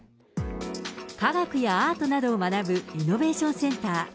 科学やアートなどを学ぶイノベーションセンター。